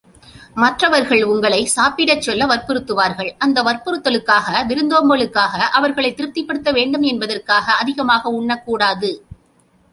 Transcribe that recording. மற்றவர்கள் உங்களை சாப்பிடச் சொல்ல வற்புறுத்துவார்கள், அந்த வற்புறுத்தலுக்காக, விருந்தோம்பலுக்காக, அவர்களை திருப்திப்படுத்தவேண்டும் என்பதற்காக, அதிகமாக உண்ணக்கூடாது.